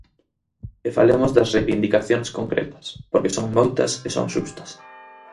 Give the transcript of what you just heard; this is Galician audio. E falemos das reivindicacións concretas, porque son moitas e son xustas.